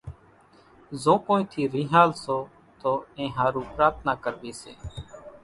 زو ڪونئين ٿي رينۿال سو تو اين ۿارُو پرارٿنا ڪروي سي